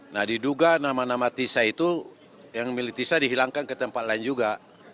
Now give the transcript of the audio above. nah diduga nama nama tisa itu yang milik tisa dihilangkan ke tempat lain juga